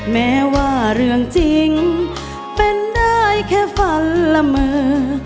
แม้ว่าเรื่องจริงเป็นได้แค่ฝันละเมอ